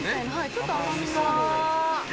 ちょっと甘みのある。